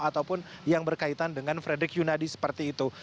ataupun yang berkaitan dengan frederick yunadi seperti itu